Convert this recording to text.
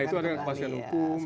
ya itu ada yang kepasukan hukum